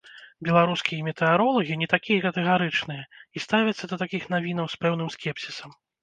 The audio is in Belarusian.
Беларускія метэаролагі не такія катэгарычныя, і ставяцца да такіх навінаў з пэўным скепсісам.